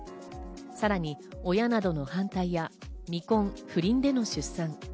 さらに親などの反対や未婚、不倫での出産。